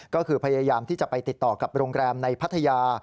ก็คือพยายามที่จะไปติดต่อกับโรงแรมในพัทยา